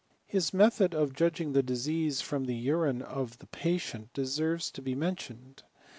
His method of judging of the diseases from the urine of the patient deserves to be mentioned.